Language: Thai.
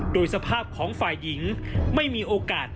โดยสภาพของฝ่ายหญิงไม่มีโอกาส